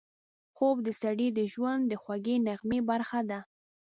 خوب د سړي د ژوند د خوږې نغمې برخه ده